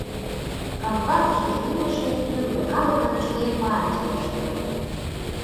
Кавказыште илыше тӱрлӧ калыкын шке партийышт ыле.